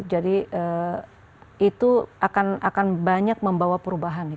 jadi itu akan banyak membawa perubahan nih